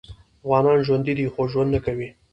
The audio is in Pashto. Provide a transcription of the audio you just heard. افغانان ژوندي دي خو ژوند نکوي